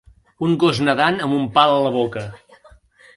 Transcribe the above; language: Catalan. Un gos nedant amb un pal a la boca.